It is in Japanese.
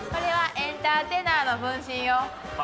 エンターテナーの分身。